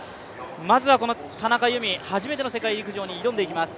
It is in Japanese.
まずは田中佑美、初めての世界陸上に挑んでいきます。